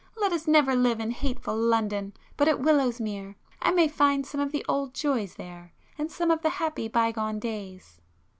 Let us never live in hateful London, but at Willowsmere; I may find some of the old joys there,—and some of the happy bygone days."